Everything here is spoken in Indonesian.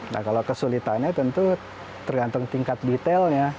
nah kalau kesulitannya tentu tergantung tingkat detailnya